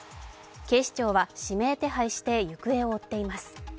警視庁は指名手配して行方を追っています。